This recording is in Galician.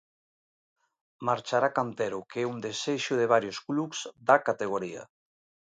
Marchará Cantero, que é un desexo de varios clubs da categoría.